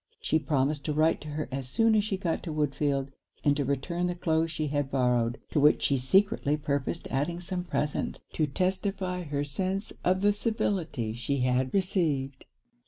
She promised to write to her as soon as she got to Woodfield, and to return the cloaths she had borrowed, to which she secretly purposed adding some present, to testify her sense of the civilities she had received.